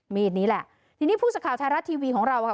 มีดนี้แหละทีนี้ผู้สื่อข่าวไทยรัฐทีวีของเราค่ะ